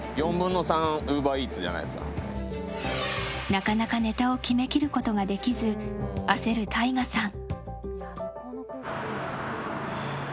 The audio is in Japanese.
なかなかネタを決めきることができず焦るＴＡＩＧＡさん。